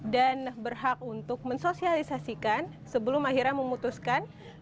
dan berhak untuk mensosialisasikan sebelum akhirnya memutuskan